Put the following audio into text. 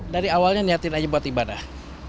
dari awalnya niatin aja buat ibadah